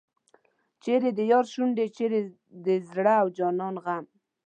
چیرې د یار شونډې چیرې د زړه او جان غم.